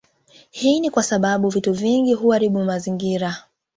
Hii ni kwa sababu vitu vingine huaribu mazingira